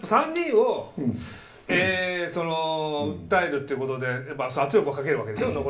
３人を訴えるということで圧力をかけるわけでしょ